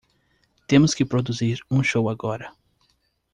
Temos que produzir um show agora.